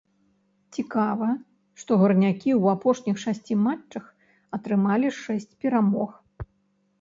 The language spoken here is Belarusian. Цікава, што гарнякі ў апошніх шасці матчах атрымалі шэсць перамог!